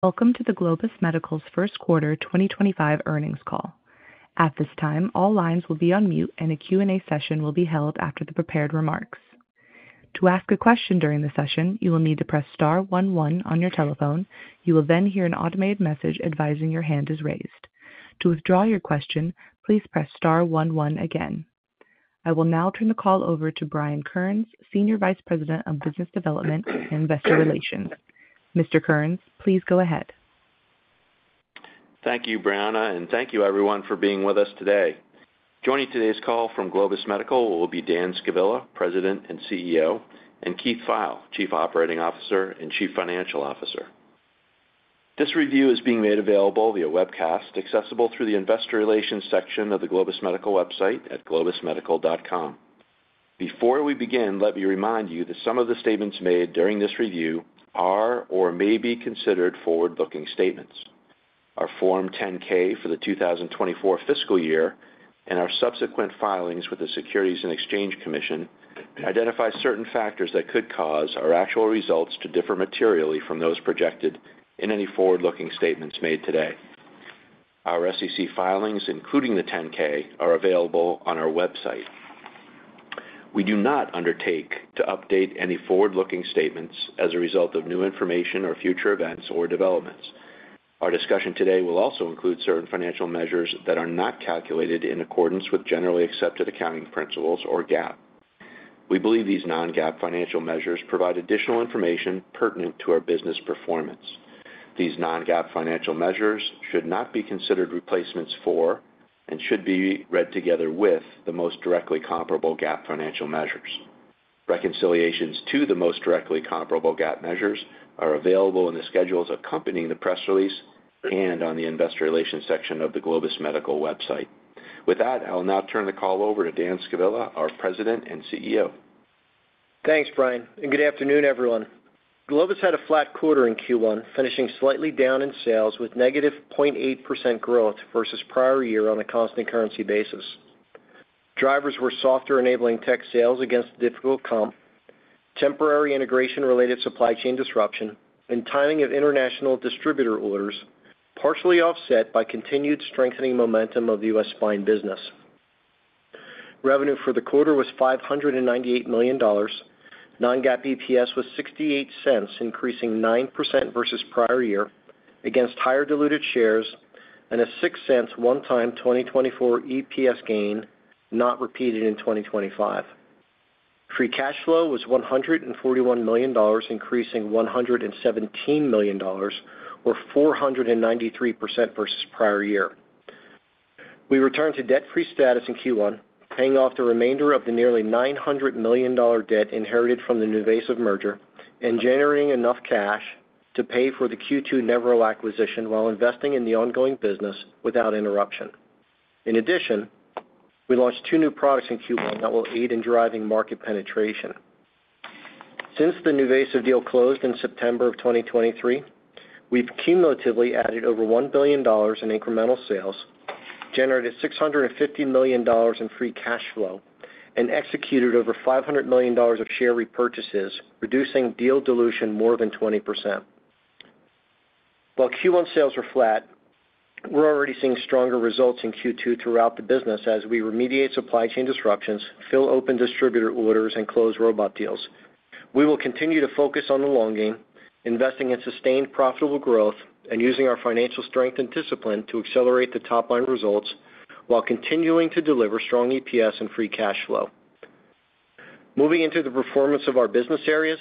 Welcome to the Globus Medical's First Quarter 2025 Earnings Call. At this time, all lines will be on mute, and a Q&A session will be held after the prepared remarks. To ask a question during the session, you will need to press star one one on your telephone. You will then hear an automated message advising your hand is raised. To withdraw your question, please press star one one again. I will now turn the call over to Brian Kearns, Senior Vice President of Business Development and Investor Relations. Mr. Kearns, please go ahead. Thank you, Briana, and thank you, everyone, for being with us today. Joining today's call from Globus Medical will be Dan Scavilla, President and CEO, and Keith Pfeil, Chief Operating Officer and Chief Financial Officer. This review is being made available via webcast, accessible through the Investor Relations section of the Globus Medical website at globusmedical.com. Before we begin, let me remind you that some of the statements made during this review are or may be considered forward-looking statements. Our Form 10-K for the 2024 fiscal year and our subsequent filings with the Securities and Exchange Commission identify certain factors that could cause our actual results to differ materially from those projected in any forward-looking statements made today. Our SEC filings, including the 10-K, are available on our website. We do not undertake to update any forward-looking statements as a result of new information or future events or developments. Our discussion today will also include certain financial measures that are not calculated in accordance with generally accepted accounting principles or GAAP. We believe these non-GAAP financial measures provide additional information pertinent to our business performance. These non-GAAP financial measures should not be considered replacements for and should be read together with the most directly comparable GAAP financial measures. Reconciliations to the most directly comparable GAAP measures are available in the schedules accompanying the press release and on the Investor Relations section of the Globus Medical website. With that, I will now turn the call over to Dan Scavilla, our President and CEO. Thanks, Brian, and good afternoon, everyone. Globus had a flat quarter in Q1, finishing slightly down in sales with negative 0.8% growth versus prior year on a constant currency basis. Drivers were softer enabling tech sales against difficult comp, temporary integration-related supply chain disruption, and timing of international distributor orders, partially offset by continued strengthening momentum of the U.S. spine business. Revenue for the quarter was $598 million. Non-GAAP EPS was $0.68, increasing 9% versus prior year against higher diluted shares and a $0.06 one-time 2024 EPS gain not repeated in 2025. Free cash flow was $141 million, increasing $117 million, or 493% versus prior year. We returned to debt-free status in Q1, paying off the remainder of the nearly $900 million debt inherited from the NuVasive merger and generating enough cash to pay for the Q2 Nevro acquisition while investing in the ongoing business without interruption. In addition, we launched two new products in Q1 that will aid in driving market penetration. Since the NuVasive deal closed in September of 2023, we've cumulatively added over $1 billion in incremental sales, generated $650 million in free cash flow, and executed over $500 million of share repurchases, reducing deal dilution more than 20%. While Q1 sales were flat, we're already seeing stronger results in Q2 throughout the business as we remediate supply chain disruptions, fill open distributor orders, and close robot deals. We will continue to focus on the long game, investing in sustained profitable growth and using our financial strength and discipline to accelerate the top-line results while continuing to deliver strong EPS and free cash flow. Moving into the performance of our business areas,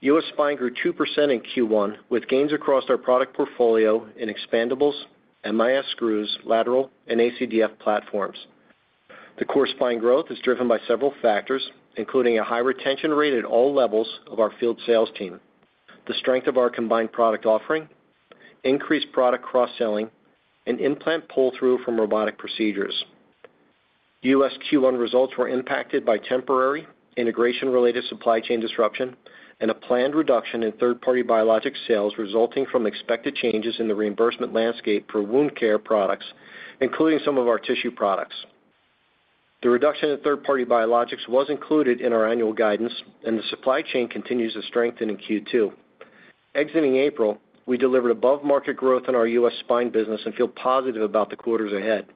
U.S. spine grew 2% in Q1 with gains across our product portfolio in expandables, MIS screws, lateral, and ACDF platforms. The core spine growth is driven by several factors, including a high retention rate at all levels of our field sales team, the strength of our combined product offering, increased product cross-selling, and implant pull-through from robotic procedures. U.S. Q1 results were impacted by temporary integration-related supply chain disruption and a planned reduction in third-party biologics sales resulting from expected changes in the reimbursement landscape for wound care products, including some of our tissue products. The reduction in third-party biologics was included in our annual guidance, and the supply chain continues to strengthen in Q2. Exiting April, we delivered above-market growth in our U.S. spine business and feel positive about the quarters ahead.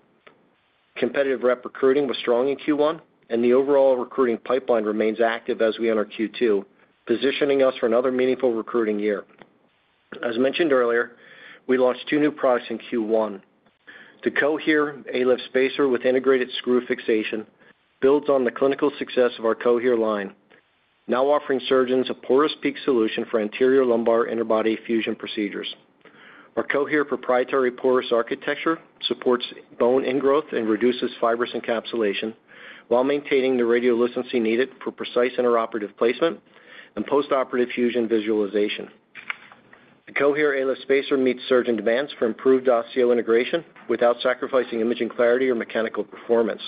Competitive rep recruiting was strong in Q1, and the overall recruiting pipeline remains active as we enter Q2, positioning us for another meaningful recruiting year. As mentioned earlier, we launched two new products in Q1. The Cohere ALIF spacer with integrated screw fixation builds on the clinical success of our Cohere line, now offering surgeons a porous PEEK solution for anterior lumbar interbody fusion procedures. Our Cohere proprietary porous architecture supports bone ingrowth and reduces fibrous encapsulation while maintaining the radiolucency needed for precise intraoperative placement and postoperative fusion visualization. The Cohere ALIF spacer meets surgeon demands for improved osseointegration without sacrificing imaging clarity or mechanical performance.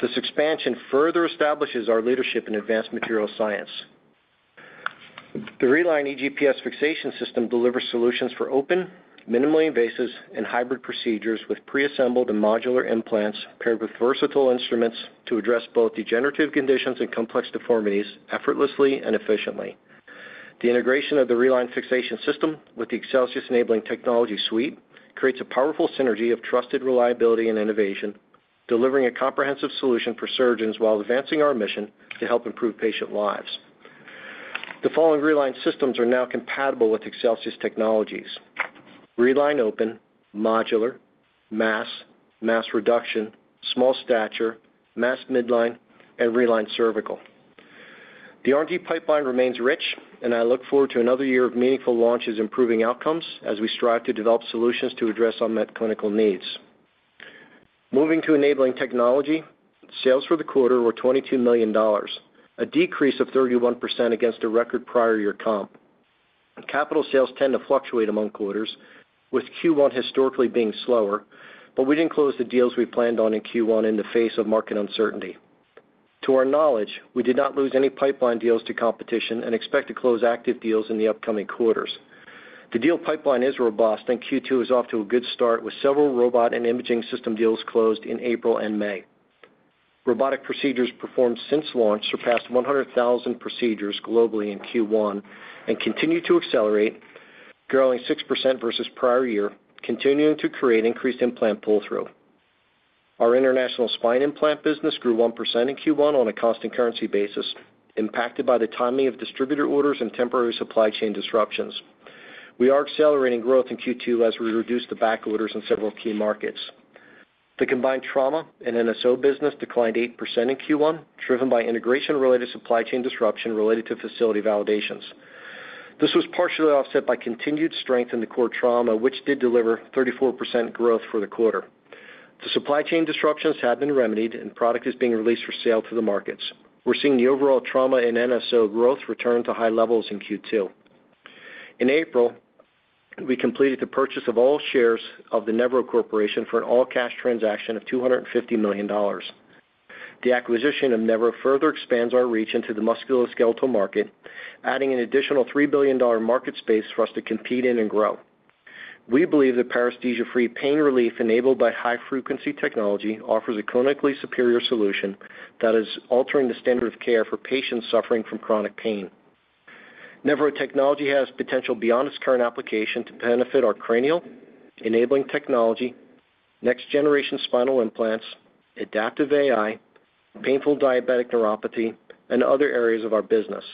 This expansion further establishes our leadership in advanced material science. The RELINE eGPS fixation system delivers solutions for open, minimally invasive, and hybrid procedures with preassembled and modular implants paired with versatile instruments to address both degenerative conditions and complex deformities effortlessly and efficiently. The integration of the RELINE fixation system with the Excelsius enabling technology suite creates a powerful synergy of trusted reliability and innovation, delivering a comprehensive solution for surgeons while advancing our mission to help improve patient lives. The following RELINE systems are now compatible with Excelsius technologies: RELINE Open, Modular, Mass, Mass Reduction, Small Stature, Mass Midline, and RELINE Cervical. The R&D pipeline remains rich, and I look forward to another year of meaningful launches improving outcomes as we strive to develop solutions to address unmet clinical needs. Moving to enabling technology, sales for the quarter were $22 million, a decrease of 31% against a record prior year comp. Capital sales tend to fluctuate among quarters, with Q1 historically being slower, but we did not close the deals we planned on in Q1 in the face of market uncertainty. To our knowledge, we did not lose any pipeline deals to competition and expect to close active deals in the upcoming quarters. The deal pipeline is robust, and Q2 is off to a good start with several robot and imaging system deals closed in April and May. Robotic procedures performed since launch surpassed 100,000 procedures globally in Q1 and continue to accelerate, growing 6% versus prior year, continuing to create increased implant pull-through. Our international spine implant business grew 1% in Q1 on a constant currency basis, impacted by the timing of distributor orders and temporary supply chain disruptions. We are accelerating growth in Q2 as we reduce the back orders in several key markets. The combined trauma and NSO business declined 8% in Q1, driven by integration-related supply chain disruption related to facility validations. This was partially offset by continued strength in the core trauma, which did deliver 34% growth for the quarter. The supply chain disruptions have been remedied, and product is being released for sale to the markets. We're seeing the overall trauma and NSO growth return to high levels in Q2. In April, we completed the purchase of all shares of Nevro Corporation for an all-cash transaction of $250 million. The acquisition of Nevro further expands our reach into the musculoskeletal market, adding an additional $3 billion market space for us to compete in and grow. We believe the paresthesia-free pain relief enabled by high-frequency technology offers a clinically superior solution that is altering the standard of care for patients suffering from chronic pain. Nevro technology has potential beyond its current application to benefit our cranial, enabling technology, next-generation spinal implants, adaptive AI, painful diabetic neuropathy, and other areas of our business.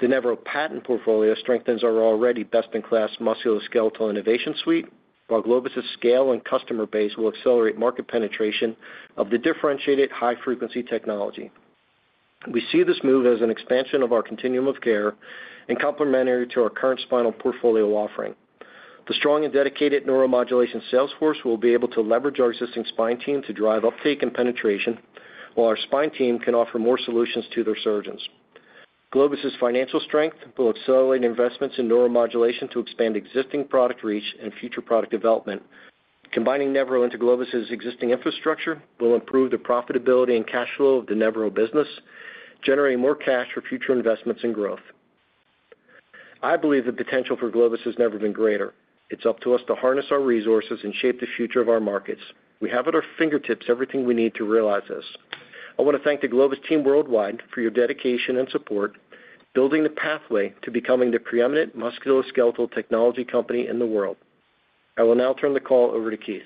The Nevro patent portfolio strengthens our already best-in-class musculoskeletal innovation suite, while Globus's scale and customer base will accelerate market penetration of the differentiated high-frequency technology. We see this move as an expansion of our continuum of care and complementary to our current spinal portfolio offering. The strong and dedicated neuromodulation sales force will be able to leverage our existing spine team to drive uptake and penetration, while our spine team can offer more solutions to their surgeons. Globus's financial strength will accelerate investments in neuromodulation to expand existing product reach and future product development. Combining Nevro into Globus's existing infrastructure will improve the profitability and cash flow of the Nevro business, generating more cash for future investments and growth. I believe the potential for Globus has never been greater. It's up to us to harness our resources and shape the future of our markets. We have at our fingertips everything we need to realize this. I want to thank the Globus team worldwide for your dedication and support, building the pathway to becoming the preeminent musculoskeletal technology company in the world. I will now turn the call over to Keith.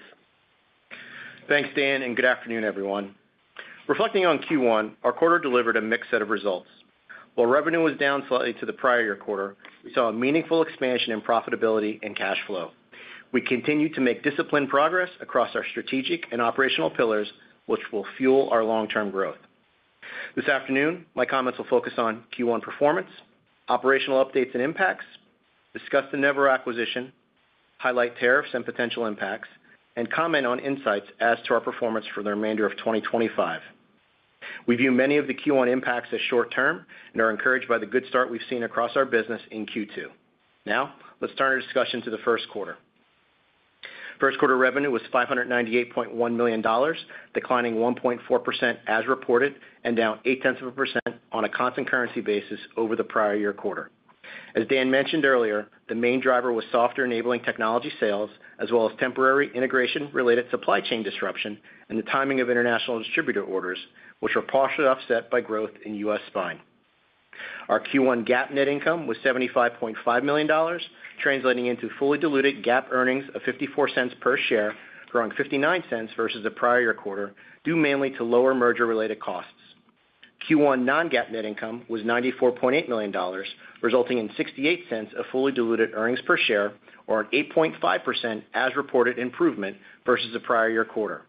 Thanks, Dan, and good afternoon, everyone. Reflecting on Q1, our quarter delivered a mixed set of results. While revenue was down slightly to the prior year quarter, we saw a meaningful expansion in profitability and cash flow. We continue to make disciplined progress across our strategic and operational pillars, which will fuel our long-term growth. This afternoon, my comments will focus on Q1 performance, operational updates and impacts, discuss the Nevro acquisition, highlight tariffs and potential impacts, and comment on insights as to our performance for the remainder of 2025. We view many of the Q1 impacts as short-term and are encouraged by the good start we've seen across our business in Q2. Now, let's turn our discussion to the first quarter. First quarter revenue was $598.1 million, declining 1.4% as reported and down 8% on a constant currency basis over the prior year quarter. As Dan mentioned earlier, the main driver was softer enabling technology sales, as well as temporary integration-related supply chain disruption and the timing of international distributor orders, which were partially offset by growth in U.S. spine. Our Q1 GAAP net income was $75.5 million, translating into fully diluted GAAP earnings of $0.54 per share, growing $0.59 versus the prior year quarter, due mainly to lower merger-related costs. Q1 non-GAAP net income was $94.8 million, resulting in $0.68 of fully diluted earnings per share, or an 8.5% as reported improvement versus the prior year quarter.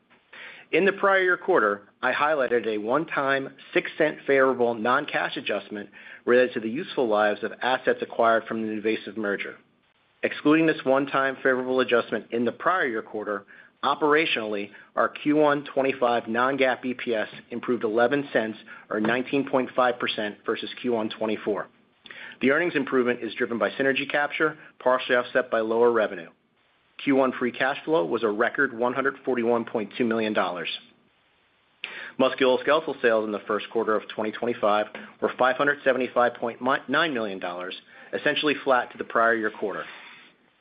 In the prior year quarter, I highlighted a one-time 6-cent favorable non-cash adjustment related to the useful lives of assets acquired from the NuVasive merger. Excluding this one-time favorable adjustment in the prior year quarter, operationally, our Q1 2025 non-GAAP EPS improved 11 cents, or 19.5% versus Q1 2024. The earnings improvement is driven by synergy capture, partially offset by lower revenue. Q1 free cash flow was a record $141.2 million. Musculoskeletal sales in the first quarter of 2025 were $575.9 million, essentially flat to the prior year quarter.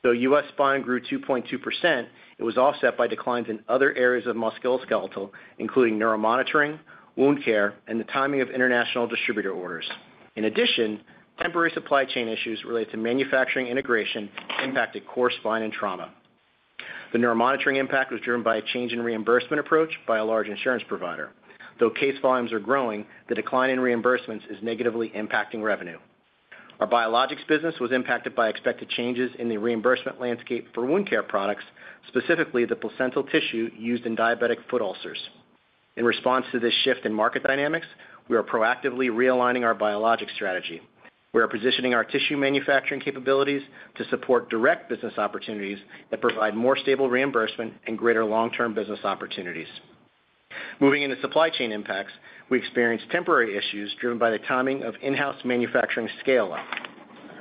Though U.S. spine grew 2.2%, it was offset by declines in other areas of musculoskeletal, including neuromonitoring, wound care, and the timing of international distributor orders. In addition, temporary supply chain issues related to manufacturing integration impacted core spine and trauma. The neuromonitoring impact was driven by a change in reimbursement approach by a large insurance provider. Though case volumes are growing, the decline in reimbursements is negatively impacting revenue. Our biologics business was impacted by expected changes in the reimbursement landscape for wound care products, specifically the placental tissue used in diabetic foot ulcers. In response to this shift in market dynamics, we are proactively realigning our biologics strategy. We are positioning our tissue manufacturing capabilities to support direct business opportunities that provide more stable reimbursement and greater long-term business opportunities. Moving into supply chain impacts, we experienced temporary issues driven by the timing of in-house manufacturing scale-up.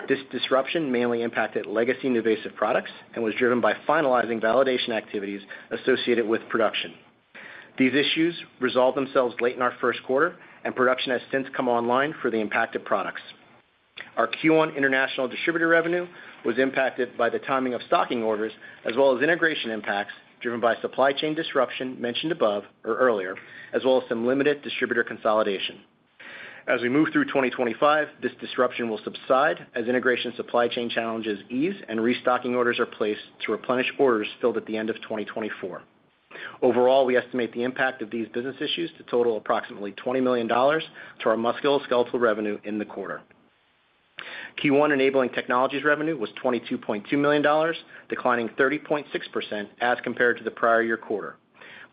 This disruption mainly impacted legacy NuVasive products and was driven by finalizing validation activities associated with production. These issues resolved themselves late in our first quarter, and production has since come online for the impacted products. Our Q1 international distributor revenue was impacted by the timing of stocking orders, as well as integration impacts driven by supply chain disruption mentioned above or earlier, as well as some limited distributor consolidation. As we move through 2025, this disruption will subside as integration supply chain challenges ease and restocking orders are placed to replenish orders filled at the end of 2024. Overall, we estimate the impact of these business issues to total approximately $20 million to our musculoskeletal revenue in the quarter. Q1 enabling technologies revenue was $22.2 million, declining 30.6% as compared to the prior year quarter.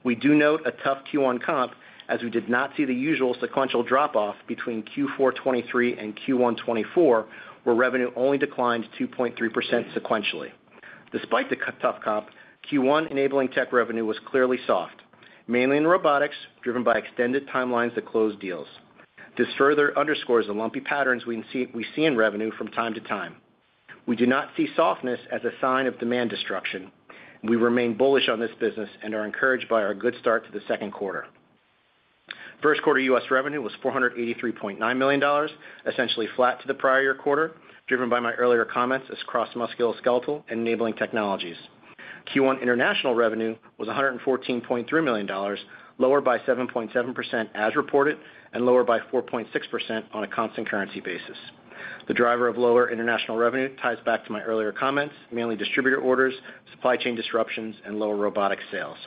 We do note a tough Q1 comp as we did not see the usual sequential drop-off between Q4 2023 and Q1 2024, where revenue only declined 2.3% sequentially. Despite the tough comp, Q1 enabling tech revenue was clearly soft, mainly in robotics driven by extended timelines to close deals. This further underscores the lumpy patterns we see in revenue from time to time. We do not see softness as a sign of demand destruction. We remain bullish on this business and are encouraged by our good start to the second quarter. First quarter U.S. revenue was $483.9 million, essentially flat to the prior year quarter, driven by my earlier comments across musculoskeletal and enabling technologies. Q1 international revenue was $114.3 million, lower by 7.7% as reported and lower by 4.6% on a constant currency basis. The driver of lower international revenue ties back to my earlier comments, mainly distributor orders, supply chain disruptions, and lower robotics sales.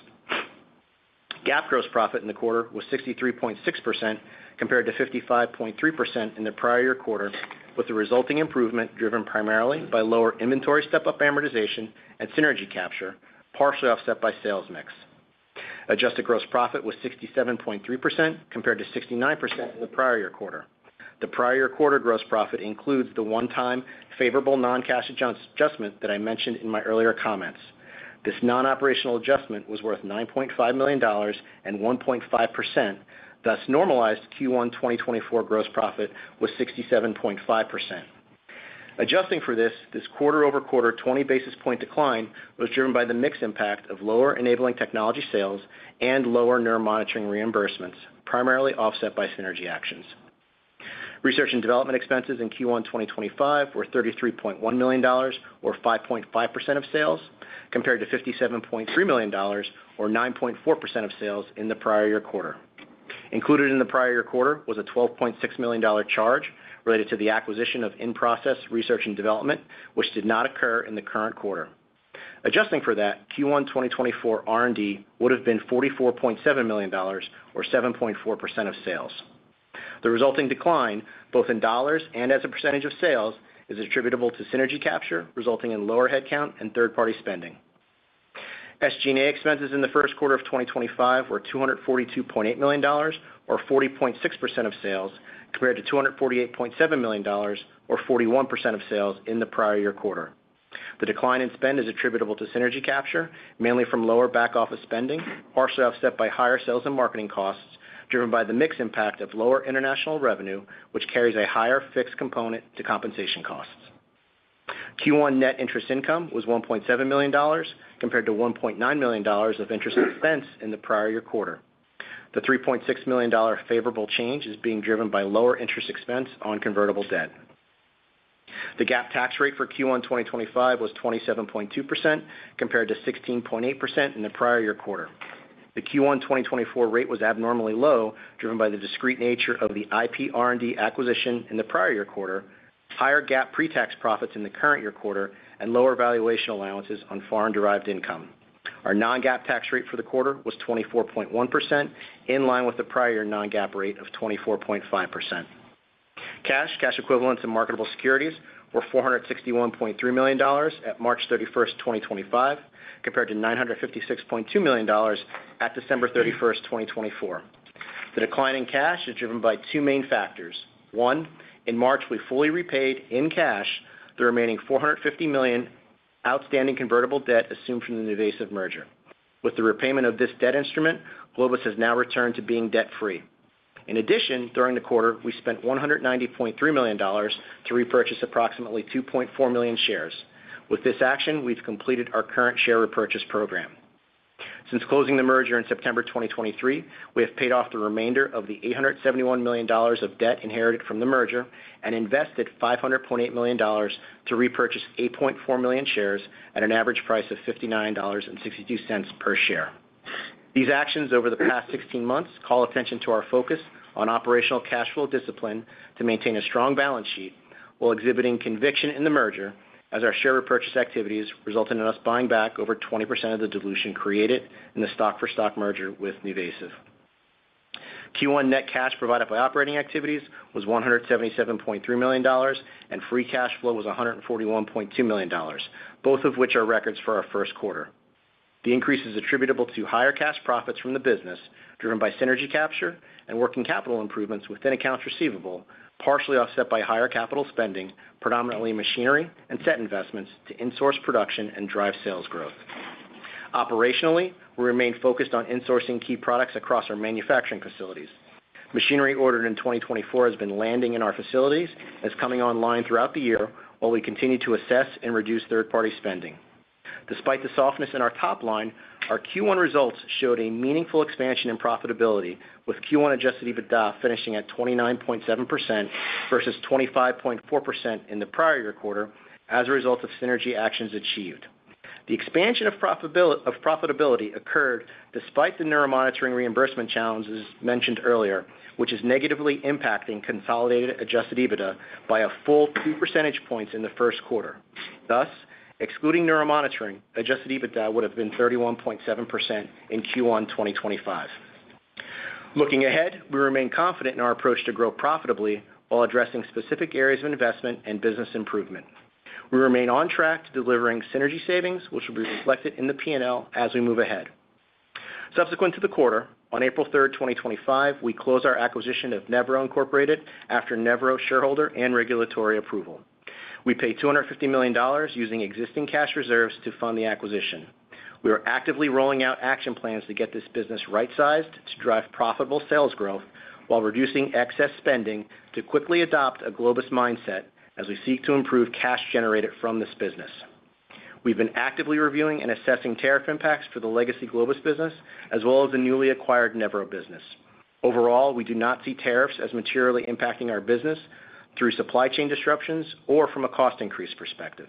GAAP gross profit in the quarter was 63.6% compared to 55.3% in the prior year quarter, with the resulting improvement driven primarily by lower inventory step-up amortization and synergy capture, partially offset by sales mix. Adjusted gross profit was 67.3% compared to 69% in the prior year quarter. The prior year quarter gross profit includes the one-time favorable non-cash adjustment that I mentioned in my earlier comments. This non-operational adjustment was worth $9.5 million and 1.5%, thus normalized Q1 2024 gross profit was 67.5%. Adjusting for this, this quarter-over-quarter 20 basis point decline was driven by the mixed impact of lower enabling technology sales and lower neuromonitoring reimbursements, primarily offset by synergy actions. Research and development expenses in Q1 2025 were $33.1 million, or 5.5% of sales, compared to $57.3 million, or 9.4% of sales in the prior year quarter. Included in the prior year quarter was a $12.6 million charge related to the acquisition of in-process research and development, which did not occur in the current quarter. Adjusting for that, Q1 2024 R&D would have been $44.7 million, or 7.4% of sales. The resulting decline, both in dollars and as a percentage of sales, is attributable to synergy capture, resulting in lower headcount and third-party spending. SG&A expenses in the first quarter of 2025 were $242.8 million, or 40.6% of sales, compared to $248.7 million, or 41% of sales in the prior year quarter. The decline in spend is attributable to synergy capture, mainly from lower back-office spending, partially offset by higher sales and marketing costs, driven by the mixed impact of lower international revenue, which carries a higher fixed component to compensation costs. Q1 net interest income was $1.7 million, compared to $1.9 million of interest expense in the prior year quarter. The $3.6 million favorable change is being driven by lower interest expense on convertible debt. The GAAP tax rate for Q1 2025 was 27.2%, compared to 16.8% in the prior year quarter. The Q1 2024 rate was abnormally low, driven by the discrete nature of the IP R&D acquisition in the prior year quarter, higher GAAP pre-tax profits in the current year quarter, and lower valuation allowances on foreign-derived income. Our non-GAAP tax rate for the quarter was 24.1%, in line with the prior year non-GAAP rate of 24.5%. Cash, cash equivalents, and marketable securities were $461.3 million at March 31, 2025, compared to $956.2 million at December 31, 2024. The decline in cash is driven by two main factors. One, in March, we fully repaid in cash the remaining $450 million outstanding convertible debt assumed from the NuVasive merger. With the repayment of this debt instrument, Globus has now returned to being debt-free. In addition, during the quarter, we spent $190.3 million to repurchase approximately 2.4 million shares. With this action, we've completed our current share repurchase program. Since closing the merger in September 2023, we have paid off the remainder of the $871 million of debt inherited from the merger and invested $500.8 million to repurchase 8.4 million shares at an average price of $59.62 per share. These actions over the past 16 months call attention to our focus on operational cash flow discipline to maintain a strong balance sheet while exhibiting conviction in the merger as our share repurchase activities resulted in us buying back over 20% of the dilution created in the stock-for-stock merger with NuVasive. Q1 net cash provided by operating activities was $177.3 million, and free cash flow was $141.2 million, both of which are records for our first quarter. The increase is attributable to higher cash profits from the business driven by synergy capture and working capital improvements within accounts receivable, partially offset by higher capital spending, predominantly machinery and set investments to insource production and drive sales growth. Operationally, we remain focused on insourcing key products across our manufacturing facilities. Machinery ordered in 2024 has been landing in our facilities and is coming online throughout the year while we continue to assess and reduce third-party spending. Despite the softness in our top line, our Q1 results showed a meaningful expansion in profitability, with Q1 adjusted EBITDA finishing at 29.7% versus 25.4% in the prior year quarter as a result of synergy actions achieved. The expansion of profitability occurred despite the neuromonitoring reimbursement challenges mentioned earlier, which is negatively impacting consolidated adjusted EBITDA by a full 2 percentage points in the first quarter. Thus, excluding neuromonitoring, adjusted EBITDA would have been 31.7% in Q1 2025. Looking ahead, we remain confident in our approach to grow profitably while addressing specific areas of investment and business improvement. We remain on track to delivering synergy savings, which will be reflected in the P&L as we move ahead. Subsequent to the quarter, on April 3rd, 2025, we close our acquisition of Nevro Incorporated after Nevro shareholder and regulatory approval. We pay $250 million using existing cash reserves to fund the acquisition. We are actively rolling out action plans to get this business right-sized to drive profitable sales growth while reducing excess spending to quickly adopt a Globus mindset as we seek to improve cash generated from this business. We've been actively reviewing and assessing tariff impacts for the legacy Globus business, as well as the newly acquired Nevro business. Overall, we do not see tariffs as materially impacting our business through supply chain disruptions or from a cost increase perspective.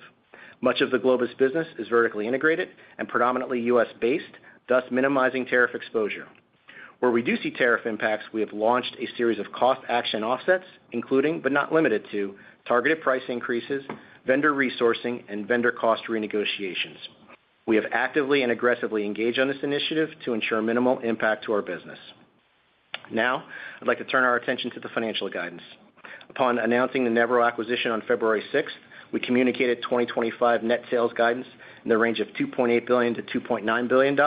Much of the Globus business is vertically integrated and predominantly U.S.-based, thus minimizing tariff exposure. Where we do see tariff impacts, we have launched a series of cost action offsets, including but not limited to targeted price increases, vendor resourcing, and vendor cost renegotiations. We have actively and aggressively engaged on this initiative to ensure minimal impact to our business. Now, I'd like to turn our attention to the financial guidance. Upon announcing the Nevro acquisition on February 6, we communicated 2025 net sales guidance in the range of $2.8 billion-$2.9 billion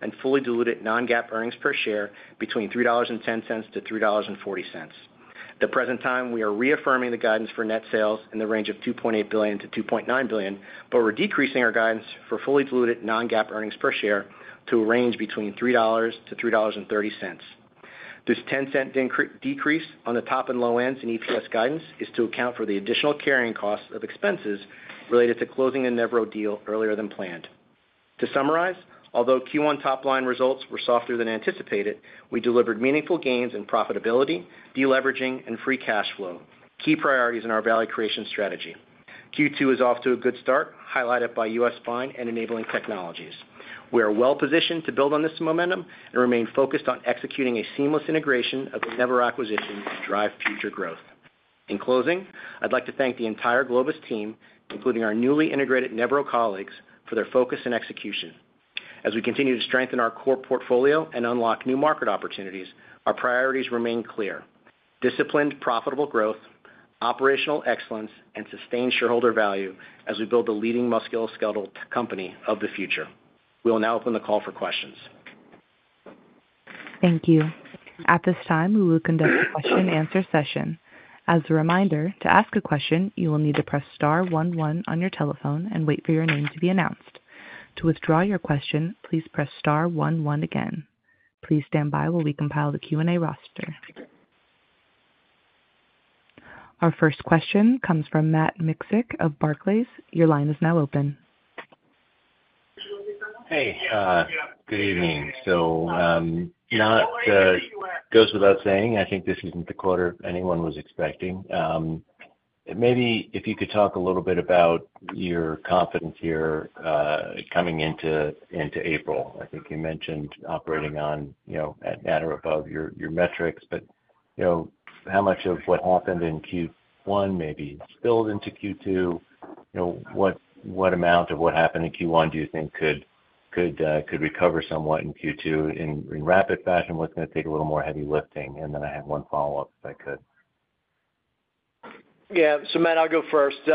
and fully diluted non-GAAP earnings per share between $3.10-$3.40. At the present time, we are reaffirming the guidance for net sales in the range of $2.8 billion-$2.9 billion, but we're decreasing our guidance for fully diluted non-GAAP earnings per share to a range between $3.00-$3.30. This $0.10 decrease on the top and low ends in EPS guidance is to account for the additional carrying costs of expenses related to closing the Nevro deal earlier than planned. To summarize, although Q1 top line results were softer than anticipated, we delivered meaningful gains in profitability, deleveraging, and free cash flow, key priorities in our value creation strategy. Q2 is off to a good start, highlighted by U.S. spine and enabling technologies. We are well-positioned to build on this momentum and remain focused on executing a seamless integration of the Nevro acquisition to drive future growth. In closing, I'd like to thank the entire Globus team, including our newly integrated Nevro colleagues, for their focus and execution. As we continue to strengthen our core portfolio and unlock new market opportunities, our priorities remain clear: disciplined, profitable growth, operational excellence, and sustained shareholder value as we build the leading musculoskeletal company of the future. We will now open the call for questions. Thank you.At this time, we will conduct a question-and-answer session. As a reminder, to ask a question, you will need to press star one one on your telephone and wait for your name to be announced. To withdraw your question, please press star one one again. Please stand by while we compile the Q&A roster. Our first question comes from Matt Miksic of Barclays. Your line is now open. Hey. Good evening. It goes without saying, I think this is not the quarter anyone was expecting. Maybe if you could talk a little bit about your confidence here coming into April. I think you mentioned operating on at or above your metrics, but how much of what happened in Q1 maybe spilled into Q2? What amount of what happened in Q1 do you think could recover somewhat in Q2 in rapid fashion? What's going to take a little more heavy lifting? I have one follow-up, if I could. Yeah. Matt, I'll go first. At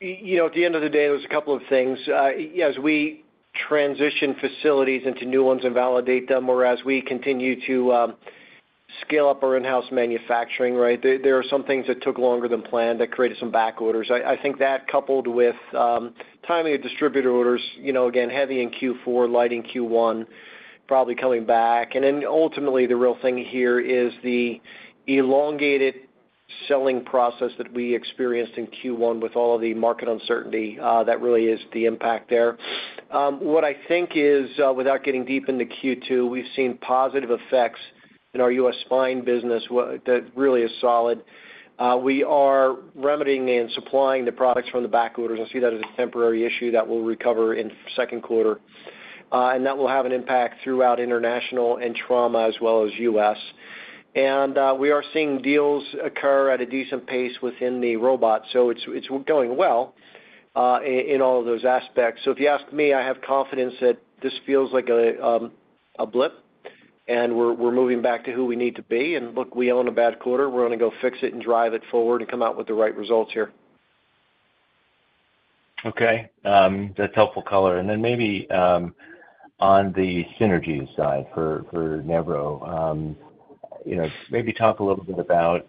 the end of the day, there's a couple of things. As we transition facilities into new ones and validate them, or as we continue to scale up our in-house manufacturing, there are some things that took longer than planned that created some back orders. I think that coupled with timely distributor orders, again, heavy in Q4, light in Q1, probably coming back. Ultimately, the real thing here is the elongated selling process that we experienced in Q1 with all of the market uncertainty. That really is the impact there. What I think is, without getting deep into Q2, we have seen positive effects in our U.S. spine business that really is solid. We are remedying and supplying the products from the back orders. I see that as a temporary issue that will recover in the second quarter, and that will have an impact throughout international and trauma as well as U.S. We are seeing deals occur at a decent pace within the robot. It is going well in all of those aspects. If you ask me, I have confidence that this feels like a blip, and we are moving back to who we need to be. Look, we own a bad quarter. We're going to go fix it and drive it forward and come out with the right results here. Okay.That's helpful color. And then maybe on the synergy side for Nevro, maybe talk a little bit about,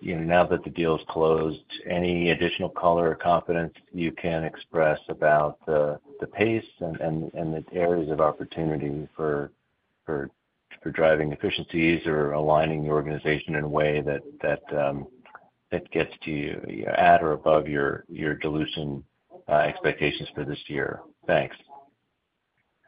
now that the deal is closed, any additional color or confidence you can express about the pace and the areas of opportunity for driving efficiencies or aligning the organization in a way that gets to you at or above your dilution expectations for this year. Thanks.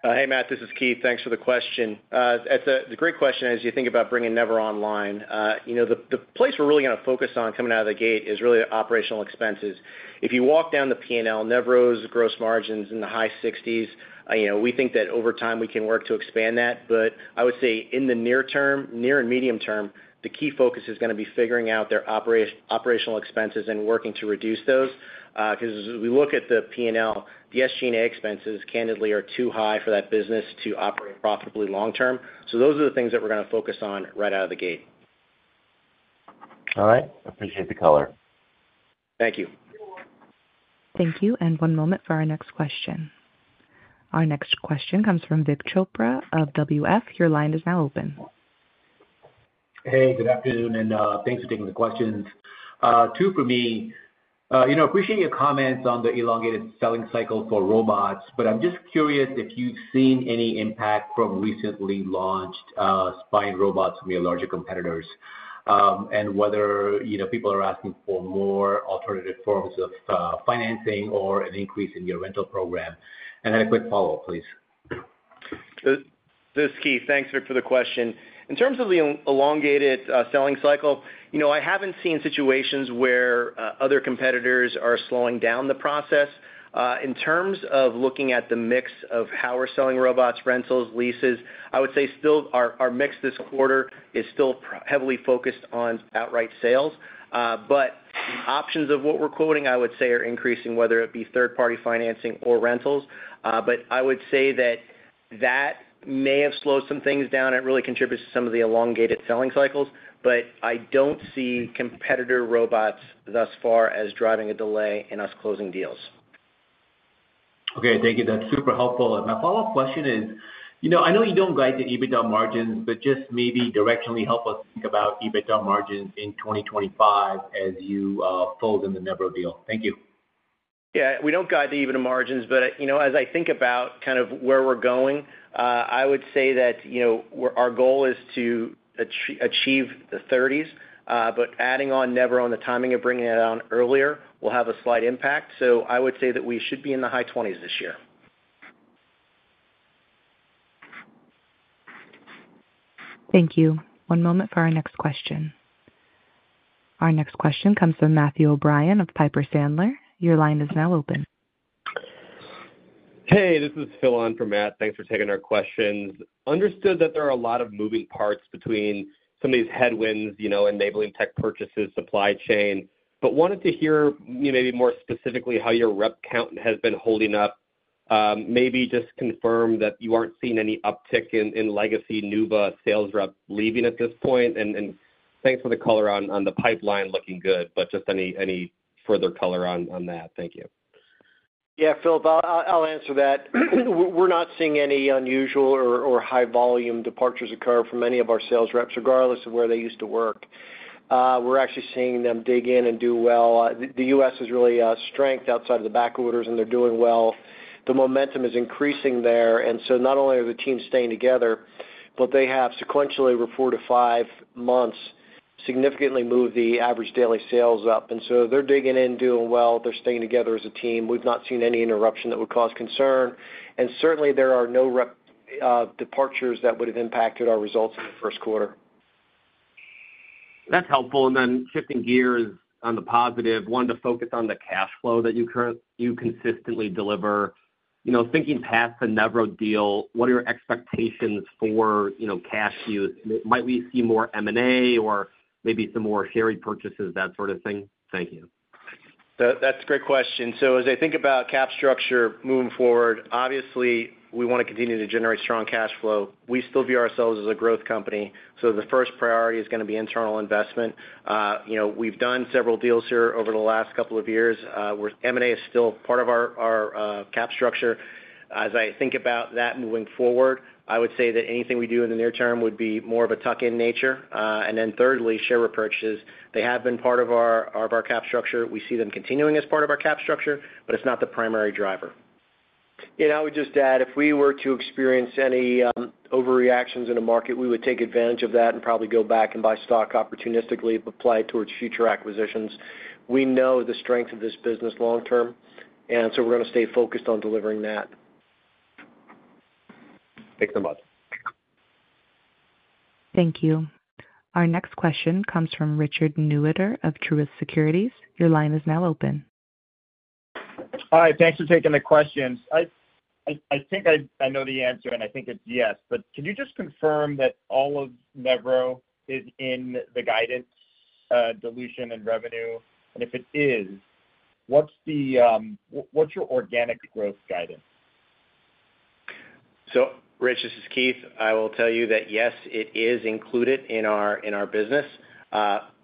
Hey, Matt. This is Keith. Thanks for the question. The great question is, as you think about bringing Nevro online, the place we're really going to focus on coming out of the gate is really operational expenses. If you walk down the P&L, Nevro's gross margins in the high 60%. We think that over time we can work to expand that. I would say in the near term, near and medium term, the key focus is going to be figuring out their operational expenses and working to reduce those. Because as we look at the P&L, the SG&A expenses candidly are too high for that business to operate profitably long-term. Those are the things that we're going to focus on right out of the gate. All right. Appreciate the color. Thank you. Thank you. One moment for our next question. Our next question comes from Vik Chopra of WF. Your line is now open. Hey. Good afternoon, and thanks for taking the questions. Two for me. Appreciate your comments on the elongated selling cycle for robots, but I'm just curious if you've seen any impact from recently launched spine robots from your larger competitors and whether people are asking for more alternative forms of financing or an increase in your rental program. And then a quick follow-up, please. This is Keith. Thanks for the question. In terms of the elongated selling cycle, I haven't seen situations where other competitors are slowing down the process. In terms of looking at the mix of how we're selling robots, rentals, leases, I would say still our mix this quarter is still heavily focused on outright sales. The options of what we're quoting, I would say, are increasing, whether it be third-party financing or rentals. I would say that that may have slowed some things down. It really contributes to some of the elongated selling cycles. But I don't see competitor robots thus far as driving a delay in us closing deals. Okay. Thank you. That's super helpful. My follow-up question is, I know you don't guide the EBITDA margins, but just maybe directionally help us think about EBITDA margins in 2025 as you fold in the Nevro deal. Thank you. Yeah. We don't guide the EBITDA margins, but as I think about kind of where we're going, I would say that our goal is to achieve the 30s. But adding on Nevro and the timing of bringing it on earlier will have a slight impact. So I would say that we should be in the high 20s this year. Thank you. One moment for our next question. Our next question comes from Matthew O'Brien of Piper Sandler. Your line is now open. Hey. This is Phil on for Matt. Thanks for taking our questions. Understood that there are a lot of moving parts between some of these headwinds, enabling tech purchases, supply chain, but wanted to hear maybe more specifically how your rep count has been holding up. Maybe just confirm that you aren't seeing any uptick in legacy NuVasive sales rep leaving at this point. Thank you for the color on the pipeline looking good, but just any further color on that. Thank you. Yeah, Phil. I'll answer that. We're not seeing any unusual or high-volume departures occur from any of our sales reps, regardless of where they used to work. We're actually seeing them dig in and do well. The U.S. has real strength outside of the back orders, and they're doing well. The momentum is increasing there. Not only are the teams staying together, but they have sequentially over four to five months significantly moved the average daily sales up. They're digging in, doing well. They're staying together as a team. We've not seen any interruption that would cause concern. Certainly, there are no departures that would have impacted our results in the first quarter. That's helpful. Shifting gears on the positive, wanted to focus on the cash flow that you consistently deliver. Thinking past the Nevro deal, what are your expectations for cash use? Might we see more M&A or maybe some more share purchases, that sort of thing? Thank you. That's a great question. As I think about cap structure moving forward, obviously, we want to continue to generate strong cash flow. We still view ourselves as a growth company. The first priority is going to be internal investment. We've done several deals here over the last couple of years. M&A is still part of our cap structure. As I think about that moving forward, I would say that anything we do in the near term would be more of a tuck-in nature. Thirdly, share repurchases. They have been part of our cap structure. We see them continuing as part of our cap structure, but it's not the primary driver. Yeah. I would just add, if we were to experience any overreactions in the market, we would take advantage of that and probably go back and buy stock opportunistically to apply it towards future acquisitions. We know the strength of this business long-term, and so we're going to stay focused on delivering that. Thanks so much. Thank you. Our next question comes from Richard Newitter of Truist Securities. Your line is now open. All right. Thanks for taking the questions. I think I know the answer, and I think it's yes. But can you just confirm that all of Nevro is in the guidance dilution and revenue? And if it is, what's your organic growth guidance? So, Rich, this is Keith. I will tell you that yes, it is included in our business.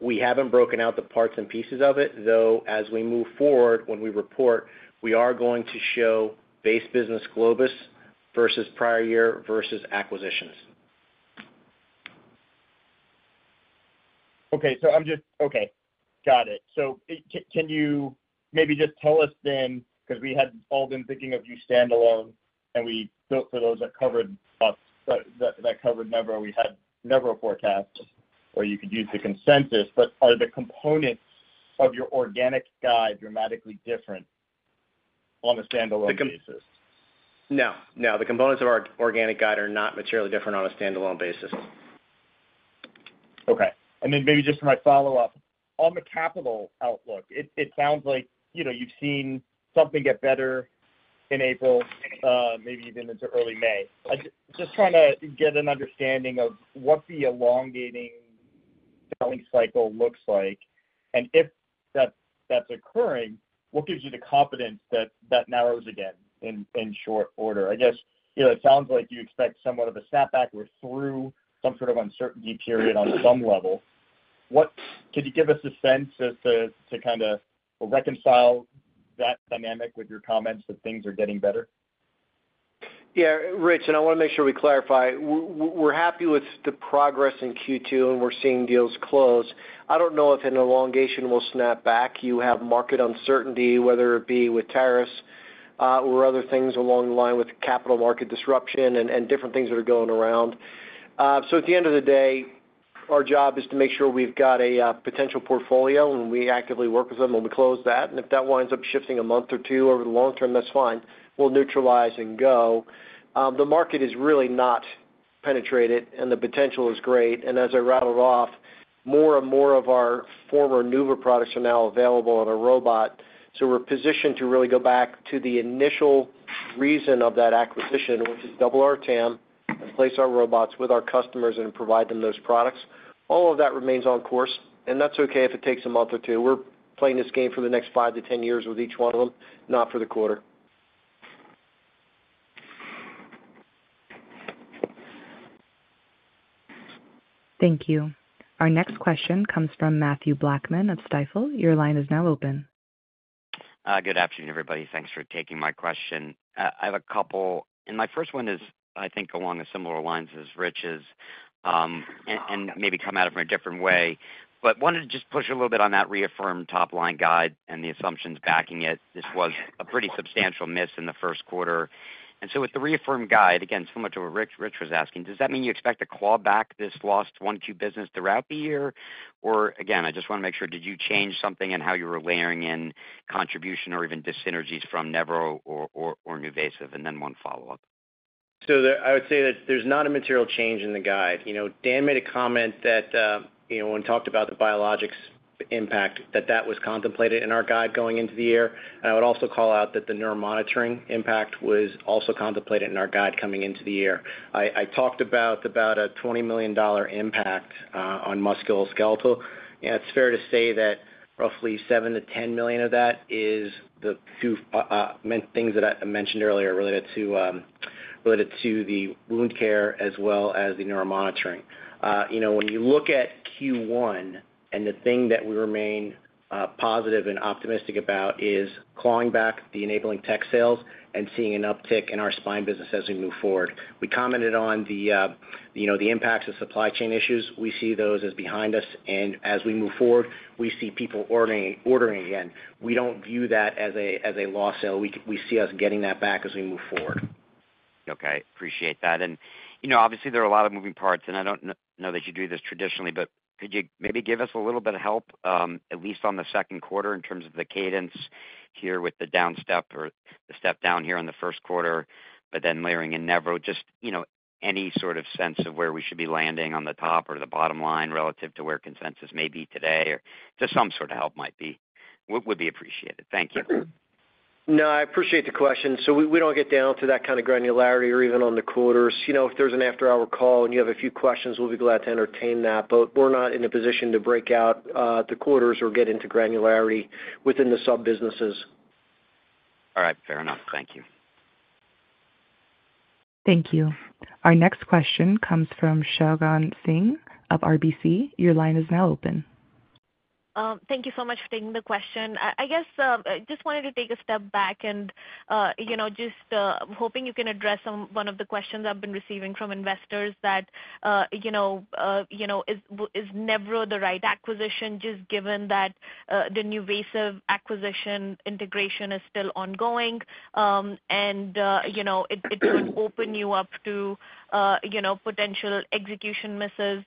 We haven't broken out the parts and pieces of it, though as we move forward, when we report, we are going to show base business Globus versus prior year versus acquisitions. Okay. Got it. So can you maybe just tell us then because we had all been thinking of you standalone, and we built for those that covered Nevro. We had Nevro forecasts where you could use the consensus, but are the components of your organic guide dramatically different on a standalone basis? No. No. The components of our organic guide are not materially different on a standalone basis. Okay. Maybe just for my follow-up, on the capital outlook, it sounds like you've seen something get better in April, maybe even into early May. Just trying to get an understanding of what the elongating selling cycle looks like. If that's occurring, what gives you the confidence that that narrows again in short order? I guess it sounds like you expect somewhat of a snapback or through some sort of uncertainty period on some level. Could you give us a sense as to kind of reconcile that dynamic with your comments that things are getting better? Yeah. Rich, I want to make sure we clarify. We're happy with the progress in Q2, and we're seeing deals close. I don't know if an elongation will snap back. You have market uncertainty, whether it be with tariffs or other things along the line with capital market disruption and different things that are going around. At the end of the day, our job is to make sure we've got a potential portfolio, and we actively work with them when we close that. If that winds up shifting a month or two over the long term, that's fine. We'll neutralize and go. The market is really not penetrated, and the potential is great. As I rattled off, more and more of our former NuVasive products are now available on a robot. We're positioned to really go back to the initial reason of that acquisition, which is double our TAM and place our robots with our customers and provide them those products. All of that remains on course, and that's okay if it takes a month or two. We're playing this game for the next 5 to 10 years with each one of them, not for the quarter. Thank you. Our next question comes from Matthew Blackman of Stifel. Your line is now open. Good afternoon, everybody. Thanks for taking my question. I have a couple. My first one is, I think, along the similar lines as Rich's and maybe come at it from a different way. Wanted to just push a little bit on that reaffirmed top-line guide and the assumptions backing it. This was a pretty substantial miss in the first quarter. With the reaffirmed guide, again, so much of what Rich was asking, does that mean you expect to claw back this lost Q1 business throughout the year? I just want to make sure, did you change something in how you were layering in contribution or even dissynergies from Nevro or NuVasive? One follow-up. I would say that there is not a material change in the guide. Dan made a comment that when he talked about the biologics impact, that was contemplated in our guide going into the year. I would also call out that the neuromonitoring impact was also contemplated in our guide coming into the year. I talked about a $20 million impact on musculoskeletal. It is fair to say that roughly $7 million - $10 million of that is the two things that I mentioned earlier related to the wound care as well as the neuromonitoring. When you look at Q1, the thing that we remain positive and optimistic about is clawing back the enabling tech sales and seeing an uptick in our spine business as we move forward. We commented on the impacts of supply chain issues. We see those as behind us. As we move forward, we see people ordering again. We do not view that as a lost sale. We see us getting that back as we move forward. Okay. Appreciate that. Obviously, there are a lot of moving parts, and I do not know that you do this traditionally, but could you maybe give us a little bit of help, at least on the second quarter in terms of the cadence here with the down step or the step down here on the first quarter, but then layering in Nevro, just any sort of sense of where we should be landing on the top or the bottom line relative to where consensus may be today or just some sort of help might be? Would be appreciated. Thank you. No, I appreciate the question. We do not get down to that kind of granularity or even on the quarters. If there is an after-hour call and you have a few questions, we will be glad to entertain that. We're not in a position to break out the quarters or get into granularity within the sub-businesses. All right. Fair enough. Thank you. Thank you. Our next question comes from Shagun Singh of RBC. Your line is now open. Thank you so much for taking the question. I guess I just wanted to take a step back and just hoping you can address one of the questions I've been receiving from investors, that is Nevro the right acquisition, just given that the NuVasive acquisition integration is still ongoing and it could open you up to potential execution misses.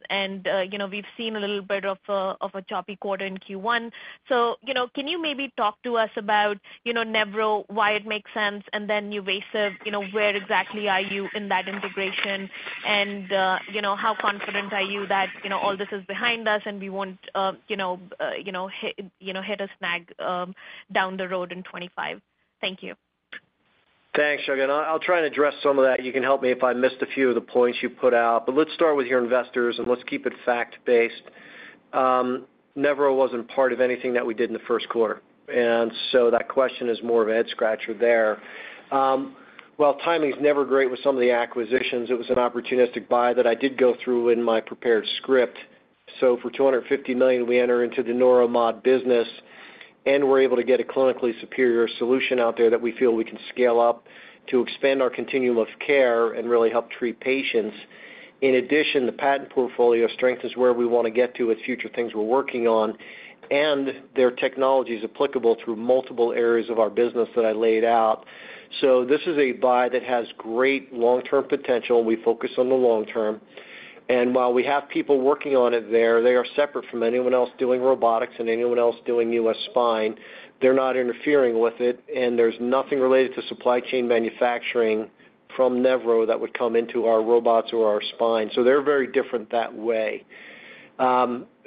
We've seen a little bit of a choppy quarter in Q1. Can you maybe talk to us about Nevro, why it makes sense, and then NuVasive, where exactly are you in that integration, and how confident are you that all this is behind us and we will not hit a snag down the road in 2025? Thank you. Thanks, Shavan. I will try and address some of that. You can help me if I missed a few of the points you put out. Let's start with your investors, and let's keep it fact-based. Nevro was not part of anything that we did in the first quarter. That question is more of a head-scratcher there. Timing is never great with some of the acquisitions. It was an opportunistic buy that I did go through in my prepared script. For $250 million, we enter into the NeuroMod business, and we're able to get a clinically superior solution out there that we feel we can scale up to expand our continuum of care and really help treat patients. In addition, the patent portfolio strength is where we want to get to with future things we're working on, and their technology is applicable through multiple areas of our business that I laid out. This is a buy that has great long-term potential, and we focus on the long term. While we have people working on it there, they are separate from anyone else doing robotics and anyone else doing U.S. spine. They're not interfering with it, and there's nothing related to supply chain manufacturing from Nevro that would come into our robots or our spine. They're very different that way.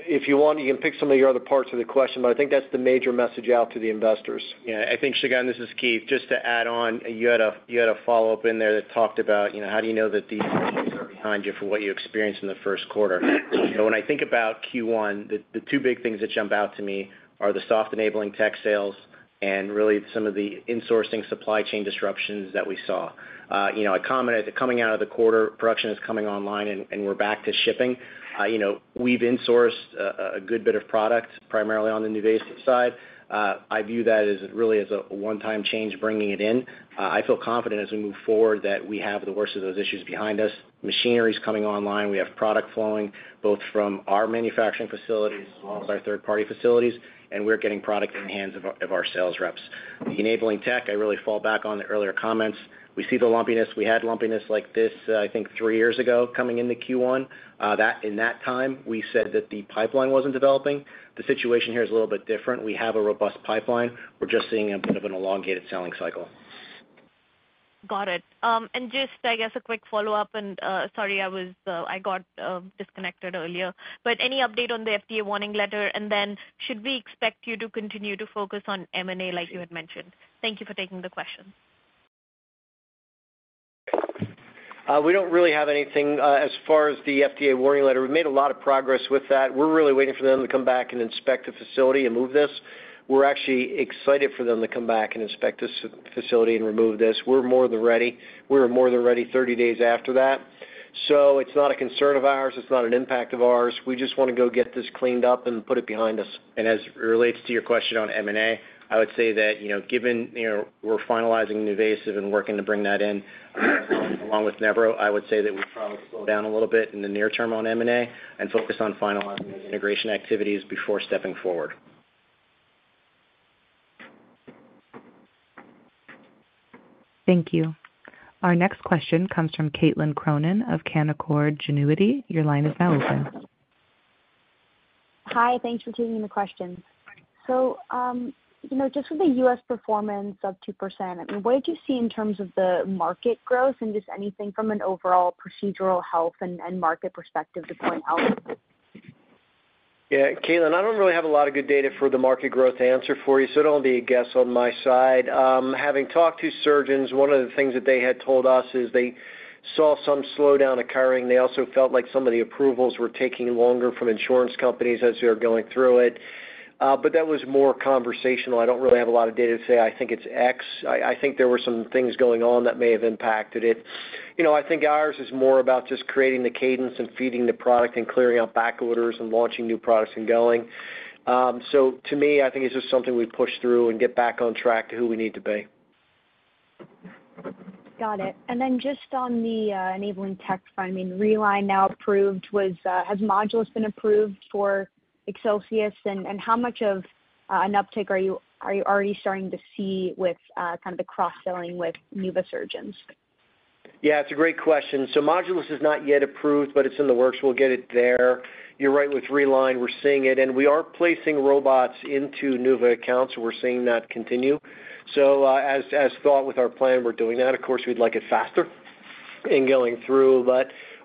If you want, you can pick some of your other parts of the question, but I think that's the major message out to the investors. Yeah. I think, Shagun, this is Keith. Just to add on, you had a follow-up in there that talked about how do you know that these are behind you for what you experienced in the first quarter? When I think about Q1, the two big things that jump out to me are the soft enabling tech sales and really some of the insourcing supply chain disruptions that we saw. I commented that coming out of the quarter, production is coming online, and we're back to shipping. We've insourced a good bit of product, primarily on the NuVasive side. I view that really as a one-time change bringing it in. I feel confident as we move forward that we have the worst of those issues behind us. Machinery is coming online. We have product flowing both from our manufacturing facilities as well as our third-party facilities, and we're getting product in the hands of our sales reps. The enabling tech, I really fall back on the earlier comments. We see the lumpiness. We had lumpiness like this, I think, three years ago coming into Q1. In that time, we said that the pipeline wasn't developing. The situation here is a little bit different. We have a robust pipeline. We're just seeing a bit of an elongated selling cycle. Got it. And just, I guess, a quick follow-up, and sorry, I got disconnected earlier. But any update on the FDA warning letter? And then should we expect you to continue to focus on M&A like you had mentioned? Thank you for taking the question. We don't really have anything as far as the FDA warning letter. We've made a lot of progress with that. We're really waiting for them to come back and inspect the facility and move this. We're actually excited for them to come back and inspect this facility and remove this. We're more than ready. We were more than ready 30 days after that. It's not a concern of ours. It's not an impact of ours. We just want to go get this cleaned up and put it behind us. As it relates to your question on M&A, I would say that given we're finalizing NuVasive and working to bring that in along with Nevro, I would say that we'd probably slow down a little bit in the near term on M&A and focus on finalizing those integration activities before stepping forward. Thank you. Our next question comes from Caitlin Cronin of Canaccord Genuity. Your line is now open. Hi. Thanks for taking the question. So just with the U.S. performance of 2%, I mean, what did you see in terms of the market growth and just anything from an overall procedural health and market perspective to point out? Yeah. Caitlin, I don't really have a lot of good data for the market growth to answer for you, so it'll be a guess on my side. Having talked to surgeons, one of the things that they had told us is they saw some slowdown occurring. They also felt like some of the approvals were taking longer from insurance companies as they were going through it. That was more conversational. I don't really have a lot of data to say, "I think it's X." I think there were some things going on that may have impacted it. I think ours is more about just creating the cadence and feeding the product and clearing out back orders and launching new products and going. To me, I think it's just something we push through and get back on track to who we need to be. Got it. Just on the enabling tech fund, I mean, RELINE now approved. Has Modulus been approved for Excelsius? How much of an uptick are you already starting to see with kind of the cross-selling with Nuva surgeons? Yeah. It's a great question. Modulus is not yet approved, but it's in the works. We'll get it there. You're right with RELINE. We're seeing it. We are placing robots into Nuva accounts, so we're seeing that continue. As thought with our plan, we're doing that. Of course, we'd like it faster and going through.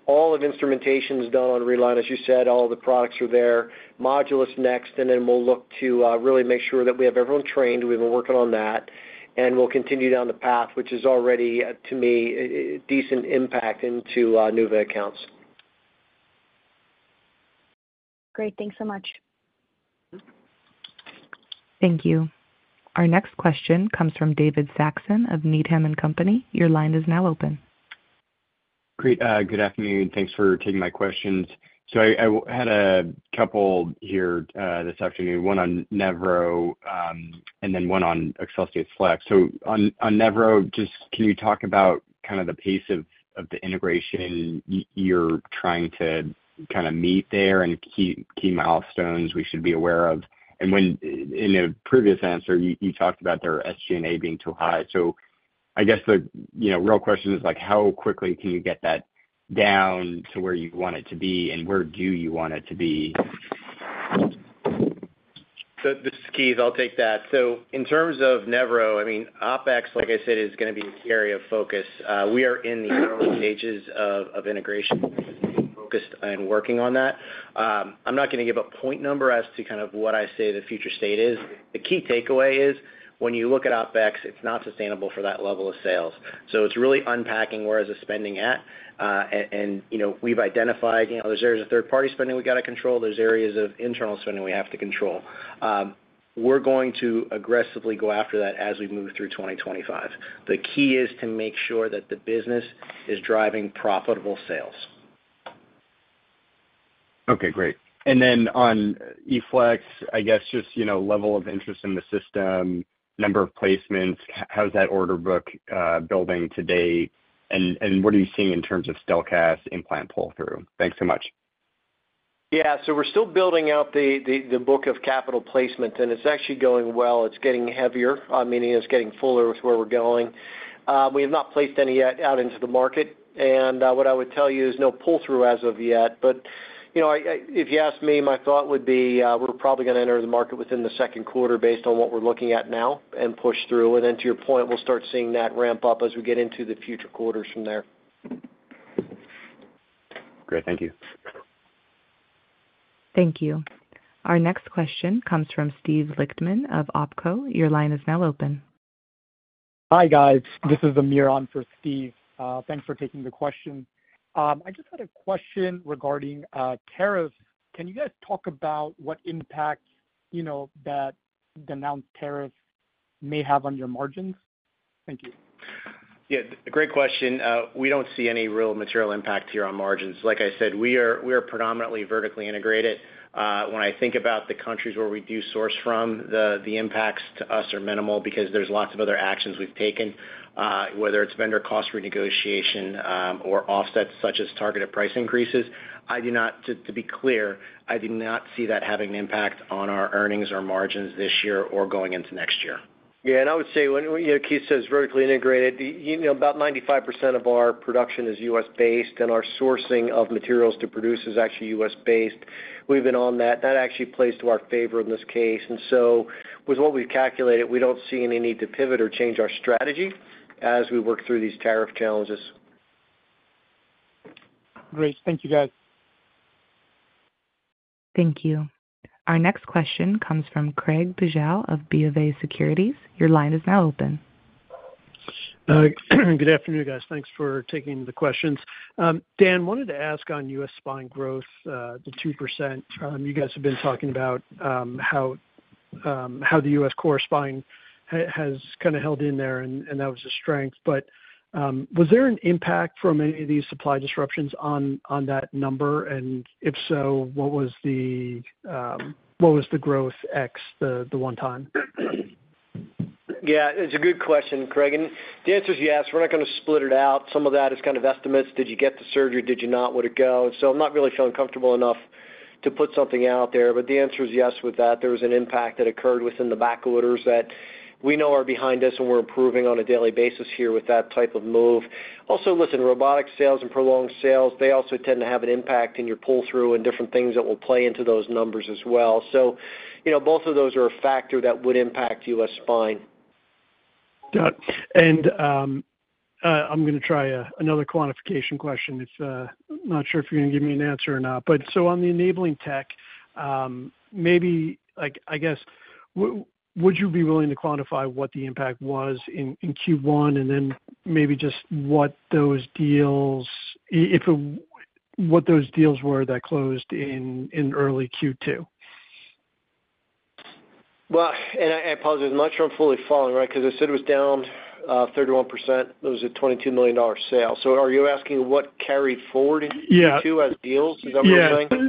All of instrumentation is done on RELINE, as you said. All the products are there. Modulus next, and then we'll look to really make sure that we have everyone trained. We've been working on that, and we'll continue down the path, which is already, to me, decent impact into Nuva accounts. Great. Thanks so much. Thank you. Our next question comes from David Saxon of Needham & Company. Your line is now open. Great. Good afternoon. Thanks for taking my questions. I had a couple here this afternoon, one on Nevro and then one on Excelsior Flex. On Nevro, just can you talk about kind of the pace of the integration you're trying to kind of meet there and key milestones we should be aware of? In a previous answer, you talked about their SG&A being too high. I guess the real question is, how quickly can you get that down to where you want it to be, and where do you want it to be? This is Keith. I'll take that. In terms of Nevro, I mean, OpEx, like I said, is going to be a carry of focus. We are in the early stages of integration and focused on working on that. I'm not going to give a point number as to kind of what I say the future state is. The key takeaway is when you look at OpEx, it's not sustainable for that level of sales. It's really unpacking where is the spending at? We've identified there's areas of third-party spending we got to control. There's areas of internal spending we have to control. We're going to aggressively go after that as we move through 2025. The key is to make sure that the business is driving profitable sales. Okay. Great. On eFlax, I guess just level of interest in the system, number of placements, how's that order book building today, and what are you seeing in terms of steel cast implant pull-through? Thanks so much. Yeah. We're still building out the book of capital placements, and it's actually going well. It's getting heavier, meaning it's getting fuller with where we're going. We have not placed any yet out into the market. What I would tell you is no pull-through as of yet. If you ask me, my thought would be we're probably going to enter the market within the second quarter based on what we're looking at now and push through. To your point, we'll start seeing that ramp up as we get into the future quarters from there. Great. Thank you. Thank you. Our next question comes from Steve Lichtman of OpCo. Your line is now open. Hi, guys. This is Amiron for Steve. Thanks for taking the question. I just had a question regarding tariffs. Can you guys talk about what impact that denounced tariffs may have on your margins? Thank you. Yeah. Great question. We don't see any real material impact here on margins. Like I said, we are predominantly vertically integrated. When I think about the countries where we do source from, the impacts to us are minimal because there's lots of other actions we've taken, whether it's vendor cost renegotiation or offsets such as targeted price increases. To be clear, I do not see that having an impact on our earnings or margins this year or going into next year. Yeah. I would say, when Keith says vertically integrated, about 95% of our production is U.S.-based, and our sourcing of materials to produce is actually U.S.-based. We've been on that. That actually plays to our favor in this case. With what we've calculated, we don't see any need to pivot or change our strategy as we work through these tariff challenges. Great. Thank you, guys. Thank you. Our next question comes from Craig Bajal of BOV Securities. Your line is now open. Good afternoon, guys. Thanks for taking the questions. Dan, wanted to ask on U.S. spine growth, the 2%. You guys have been talking about how the U.S. core spine has kind of held in there, and that was a strength. Was there an impact from any of these supply disruptions on that number? If so, what was the growth X, the one-time? Yeah. It's a good question, Craig. The answer is yes. We're not going to split it out. Some of that is kind of estimates. Did you get the surgery? Did you not? Where did it go? I'm not really feeling comfortable enough to put something out there. The answer is yes with that. There was an impact that occurred within the back orders that we know are behind us, and we're improving on a daily basis here with that type of move. Also, listen, robotic sales and prolonged sales, they also tend to have an impact in your pull-through and different things that will play into those numbers as well. Both of those are a factor that would impact U.S. spine. Got it. I'm going to try another quantification question. I'm not sure if you're going to give me an answer or not. On the enabling tech, maybe, I guess, would you be willing to quantify what the impact was in Q1 and then maybe just what those deals were, what those deals were that closed in early Q2? I apologize. My term fully falling, right? Because I said it was down 31%. It was a $22 million sale. Are you asking what carried forward in Q2 as deals? Is that what you're saying? Yeah.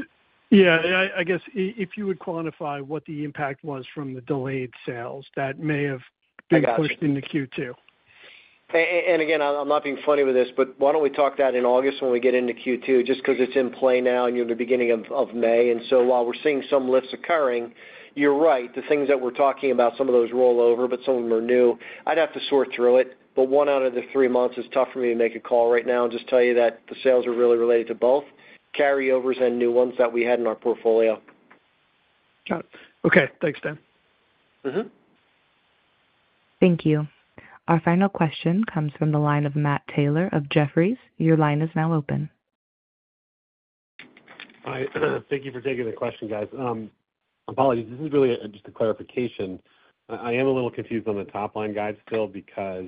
Yeah. I guess if you would quantify what the impact was from the delayed sales that may have been pushed into Q2. Again, I'm not being funny with this, but why don't we talk that in August when we get into Q2 just because it's in play now and you're in the beginning of May? While we're seeing some lifts occurring, you're right. The things that we're talking about, some of those rollover, but some of them are new. I'd have to sort through it. One out of the three months is tough for me to make a call right now and just tell you that the sales are really related to both carryovers and new ones that we had in our portfolio. Got it. Okay. Thanks, Dan. Thank you. Our final question comes from the line of Matt Taylor of Jefferies. Your line is now open. Hi. Thank you for taking the question, guys. Apologies. This is really just a clarification. I am a little confused on the top line, guys, still, because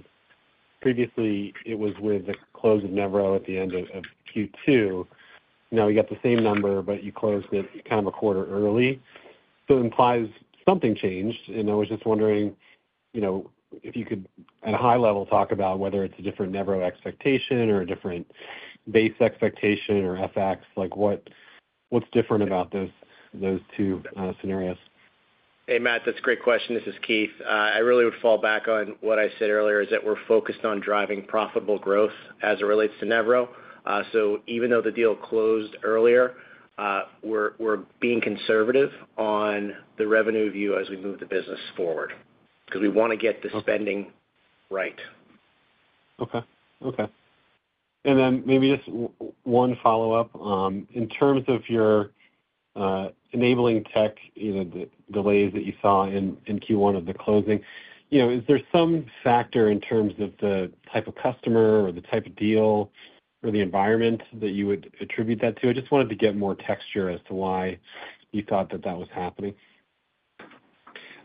previously it was with the close of Nevro at the end of Q2. Now we got the same number, but you closed it kind of a quarter early. It implies something changed. I was just wondering if you could, at a high level, talk about whether it's a different Nevro expectation or a different base expectation or FX. What's different about those two scenarios? Hey, Matt. That's a great question. This is Keith. I really would fall back on what I said earlier is that we're focused on driving profitable growth as it relates to Nevro. Even though the deal closed earlier, we're being conservative on the revenue view as we move the business forward because we want to get the spending right. Okay. Okay. Maybe just one follow-up. In terms of your enabling tech, the delays that you saw in Q1 of the closing, is there some factor in terms of the type of customer or the type of deal or the environment that you would attribute that to? I just wanted to get more texture as to why you thought that that was happening.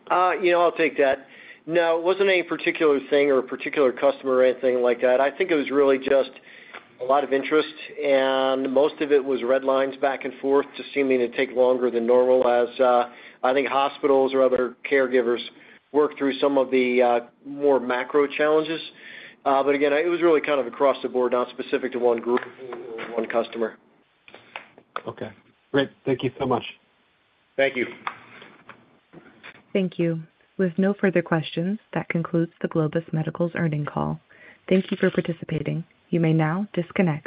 I'll take that. No, it wasn't any particular thing or a particular customer or anything like that. I think it was really just a lot of interest. Most of it was red lines back and forth, just seeming to take longer than normal as I think hospitals or other caregivers work through some of the more macro challenges. Again, it was really kind of across the board, not specific to one group or one customer. Okay. Great. Thank you so much. Thank you. Thank you. With no further questions, that concludes Globus Medical's Earnings Call. Thank you for participating. You may now disconnect.